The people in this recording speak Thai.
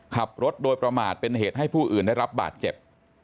ขับรถโดยประมาทเป็นเหตุให้ผู้อื่นได้รับบาดเจ็บ